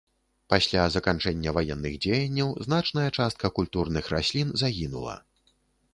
Пасля заканчэння ваенных дзеянняў значная частка культурных раслін загінула.